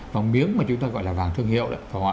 vàng miếng mà chúng ta gọi là vàng thương hiệu